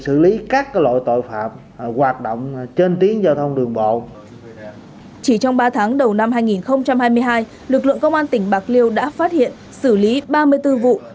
xử lý ba mươi bốn vụ liên quan ba mươi sáu đối tượng có hành vi buồn lậu